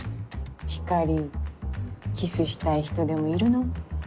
ひかりキスしたい人でもいるの？